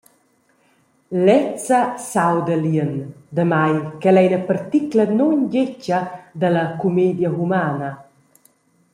Lezza s’auda lien, damai ch’ella ei ina particla nundetga dalla cumedia humana.